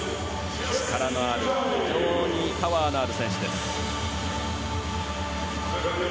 非常にパワーのある選手です。